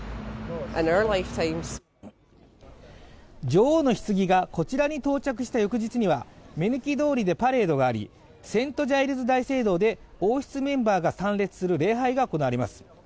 女王のひつぎがこちらに到着した翌日には、目抜き通りでパレードがあり聖ジャイルズ大聖堂で王室メンバーが参列する礼拝が行われます。